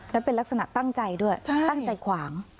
แล้วเป็นลักษณะตั้งใจด้วยตั้งใจขวาง